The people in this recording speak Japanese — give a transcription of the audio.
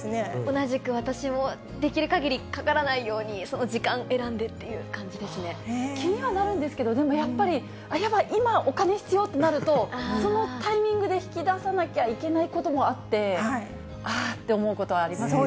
同じく私も、できるかぎりかからないように、気にはなるんですけど、でもやっぱり、今、お金必要となると、そのタイミングで引き出さなきゃいけないこともあって、あーって思うことはありますよね。